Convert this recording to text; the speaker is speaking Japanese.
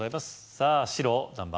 さぁ白何番？